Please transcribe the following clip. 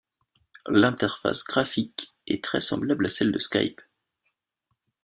L'interface graphique est très semblable à celle de Skype.